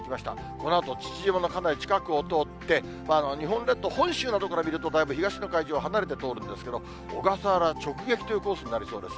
このあと父島のかなり近くを通って、日本列島、本州などから見ると、だいぶ東の海上、離れて通るんですけど、小笠原直撃というコースになりそうです。